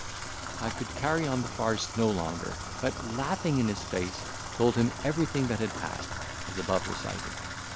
I could carry on the farce no longer; but, laughing in his face, told him everything that had passed, as above recited.